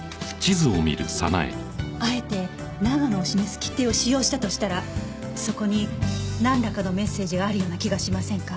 あえて長野を示す切手を使用したとしたらそこになんらかのメッセージがあるような気がしませんか？